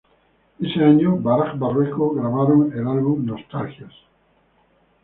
Ese año Baraj-Barrueco grabaron el álbum "Nostalgias".